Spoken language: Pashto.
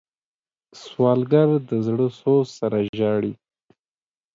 سوالګر د زړه سوز سره ژاړي